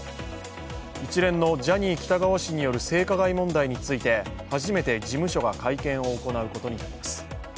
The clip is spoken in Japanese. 一連のジャニー喜多川氏による性加害問題について初めて事務所が会見を行うことになります。